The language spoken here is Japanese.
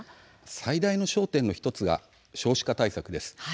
最大の焦点の１つが少子化対策です。